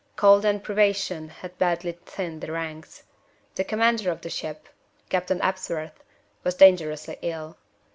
Cold and privation had badly thinned the ranks. The commander of the ship Captain Ebsworth was dangerously ill.